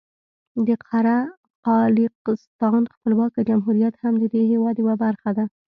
د قره قالیاقستان خپلواکه جمهوریت هم د دې هېواد یوه برخه ده.